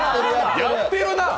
やってるな！